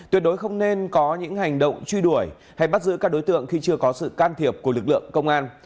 tuyệt đối không nên có những hành động truy đuổi hay bắt giữ các đối tượng khi chưa có sự can thiệp của lực lượng công an